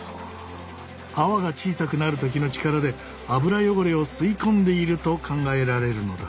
泡が小さくなる時の力で油汚れを吸い込んでいると考えられるのだ。